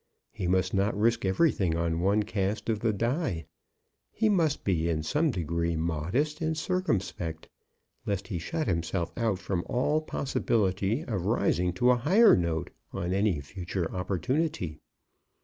He must not risk everything on one cast of the die. He must be in some degree modest and circumspect, lest he shut himself out from all possibility of rising to a higher note on any future opportunity.